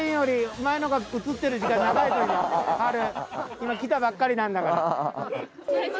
今来たばっかりなんだから。